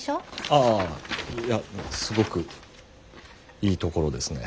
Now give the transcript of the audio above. ああいやすごくいいところですね。